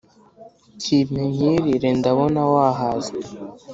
kimpe nkirire ndabona wahaze